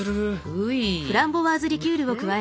うい。